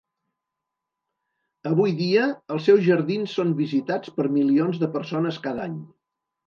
Avui dia els seus jardins són visitats per milions de persones cada any.